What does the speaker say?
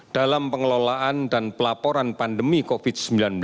dalam pengelolaan dan pelaporan pandemi covid sembilan belas